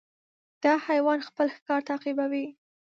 دا حیوان خپل ښکار تعقیبوي.